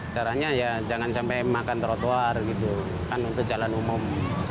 caranya ya jangan sampai makan trotoar gitu kan untuk jalan umum